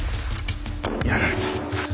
やられた。